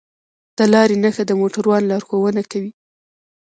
د لارې نښه د موټروان لارښوونه کوي.